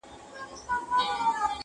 پاچهي د ځناورو وه په غرو کي-